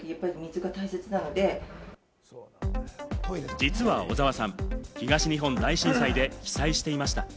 実は小澤さん、東日本大震災で被災していました。